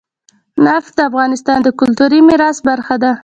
نفت د افغانستان د کلتوري میراث برخه ده.